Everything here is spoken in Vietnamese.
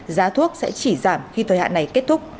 giá thuốc sẽ chỉ giảm khi thời hạn này kết thúc